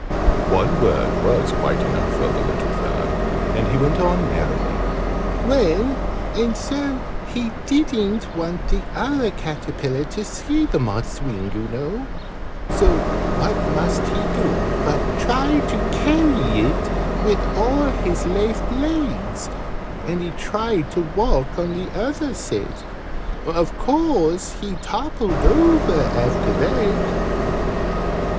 One word was quite enough for the little fellow, and he went on merrily. "Well, and so he didn't want the other caterpillar to see the moth's wing, oo know so what must he do but try to carry it with all his left legs, and he tried to walk on the other set. Of course he toppled over after that."